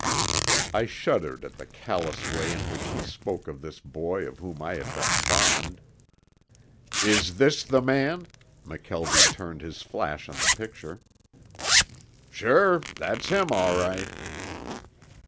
I shuddered at the callous way in which he spoke of this boy of whom I had been fond. "Is this the man?" McKelvie turned his flash on the picture. "Sure, that's 'im, all right."